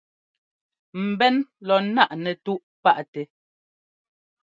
Mbɛ́n lɔ ńnáꞌ nɛtúꞌ páꞌ tɛ.